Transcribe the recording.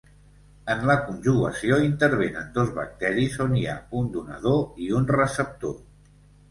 En la conjugació intervenen dos bacteris on hi ha un donador i un receptor.